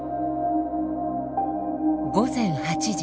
午前８時。